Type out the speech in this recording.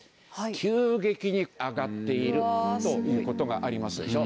急激に上がっているということがありますでしょ。